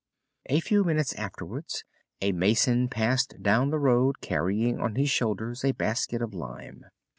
A few minutes afterwards a mason passed down the road carrying on his shoulders a basket of lime.